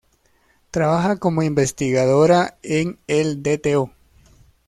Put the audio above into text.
Trabaja como investigadora en el "Dto.